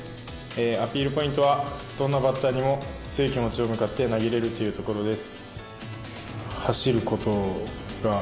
アピールポイントはどんなバッターにも強い気持ちを向けて投げれるというところです。